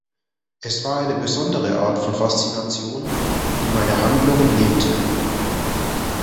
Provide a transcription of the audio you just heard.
Es war eine besondere Art von Faszination, die meine Handlungen lähmte.